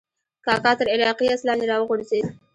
کاکا تر عراقي آس لاندې راوغورځېد.